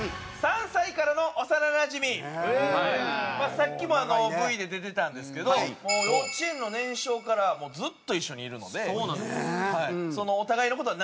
さっきもＶで出てたんですけど幼稚園の年少からずっと一緒にいるのでお互いの事はなんでも知ってるし。